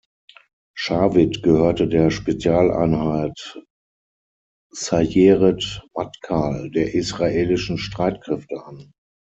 Shavit gehörte der Spezialeinheit Sajeret Matkal der Israelischen Streitkräfte an.